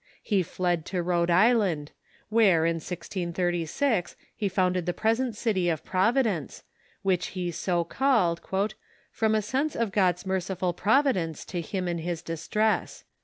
He fled to Rhode Island, Avhere, in 1636, he founded the present city of Providence, Avhich he so called " from a sense of God's merciful providence to him in his distress."